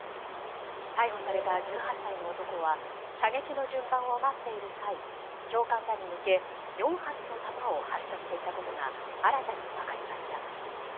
逮捕された１８歳の男は射撃の順番を待っている際教官らに向け４発の弾を発射していたことが新たに分かりました。